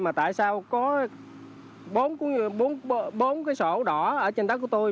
mà tại sao có bốn cái sổ đỏ ở trên đất của tôi